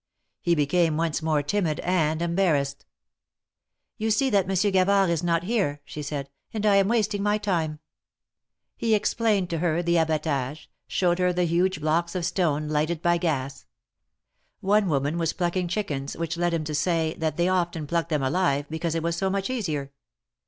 He became once more timid and embarrassed. You see that Monsieur Gavard is not here," she said, and I am wasting my time." He explained to her the Abatage, showed her the huge blocks of stone, lighted by gas. One woman was plucking chickens, which led him to say, that they often plucked them alive, because it was so much easier.